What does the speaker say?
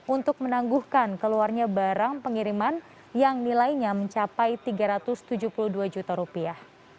untuk menangguhkan keluarnya barang pengiriman yang nilainya mencapai tiga ratus tujuh puluh dua juta rupiah